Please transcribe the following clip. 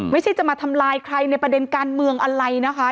ไม่ใช่จะมาทำลายใครในประเด็นการเมืองอะไรนะคะ